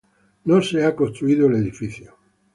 El edificio aún no ha sido construido.